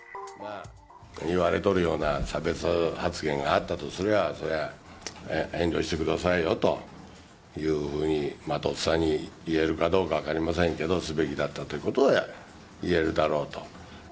いわれとるような差別発言があったとすりゃあ、そりゃあ遠慮してくださいよというふうに、とっさに言えるかどうか分かりませんけど、すべきだったということは言えるだろうと。